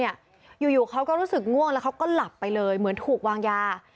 อยู่เขาก็รู้สึกง่วงแล้วเขาก็หลับไปเลยเหมือนถูกวางยา